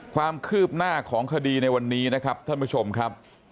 ความคืบหน้าของคดีในวันนี้นะครับท่านผู้ชมครับ